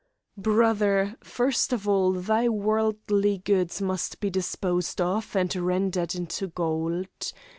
"Brother, first of all thy worldly goods must be disposed of and rendered into gold.